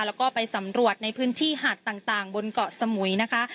แล้วก็ไปสำรวจในพื้นที่หาดต่างบนเกาะสมุยนะคะ